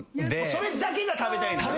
それだけが食べたいんだね。